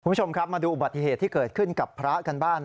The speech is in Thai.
คุณผู้ชมครับมาดูอุบัติเหตุที่เกิดขึ้นกับพระกันบ้าง